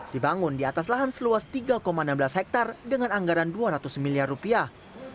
dibangun di atas lahan seluas tiga enam belas hektare dengan anggaran dua ratus miliar rupiah